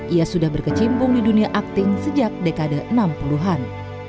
ia sudah berkecimpung di dunia akting sejak dekade enam puluh an